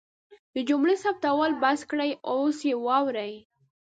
د جملو ثبتول بس کړئ اوس یې واورئ